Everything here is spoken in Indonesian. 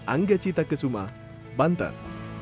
angga cita kesuma banten